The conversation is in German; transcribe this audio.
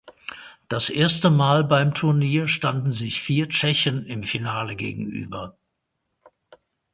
Das erste Mal beim Turnier standen sich vier Tschechen im Finale gegenüber.